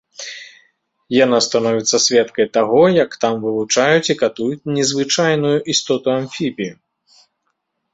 Яна становіцца сведкай таго, як там вывучаюць і катуюць незвычайную істоту-амфібію.